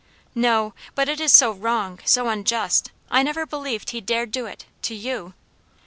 "No! But it is so wrong so unjust. I never believed he dared do it to you."